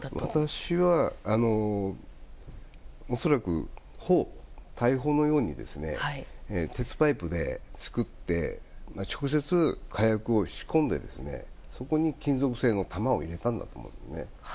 私は、恐らく大砲のように鉄パイプで作って直接火薬を仕込んでそこに金属製の弾を入れたんだと思います。